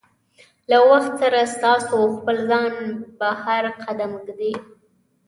له وخت سره ستاسو خپل ځان بهر قدم ږدي.